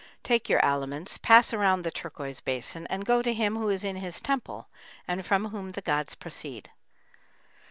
Take your aliments, pass around the turquoise basin, and go to him who is in his temple and from whom the gods proceed.